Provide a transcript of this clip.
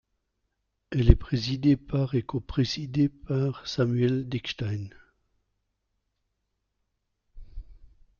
Elle est présidée par et coprésidée par Samuel Dickstein.